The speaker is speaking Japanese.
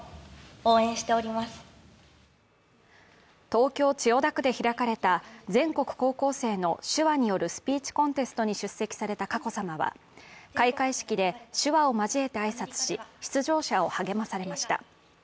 東京・千代田区で開かれた全国高校生の手話によるスピーチコンテストに出席された佳子さまは開会式で手話を交えて挨拶し出場者を励まされました。